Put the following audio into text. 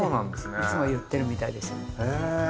いつも言ってるみたいですよ。